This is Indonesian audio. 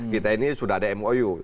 kita ini sudah ada mou